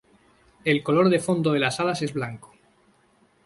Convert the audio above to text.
El color de fondo de las alas es blanco.